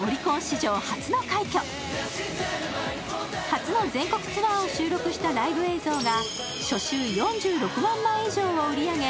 初の全国ツアーを収録したライブ映像が初週４６万枚以上を売り上げ